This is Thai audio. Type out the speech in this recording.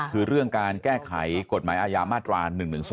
คือเรื่องการแก้ไขกฎหมายอาญามาตรา๑๑๒